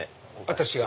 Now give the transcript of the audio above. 私が。